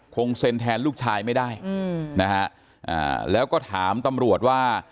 คงเซ็นแทนลูกชายไม่ได้อืมนะฮะแล้วก็ถามตำรวจว่า